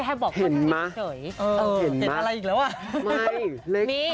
เห็นอะไรอีกแล้วว่ะ